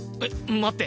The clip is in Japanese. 待って！